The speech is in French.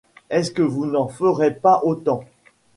Est-ce que vous n’en ferez pas autant ?